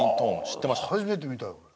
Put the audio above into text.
初めて見たよ。